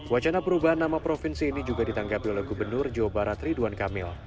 wacana perubahan nama provinsi ini juga ditanggapi oleh gubernur jawa barat ridwan kamil